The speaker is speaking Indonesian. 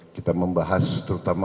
kita membahas terutama